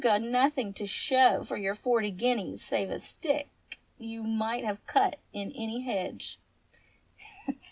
So you've nothing to show for your forty guineas save a stick you might have cut in any hedge.